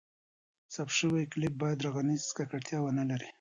ثبت شوی کلیپ باید ږغیزه ککړتیا ونه لري.